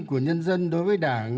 của nhân dân đối với đảng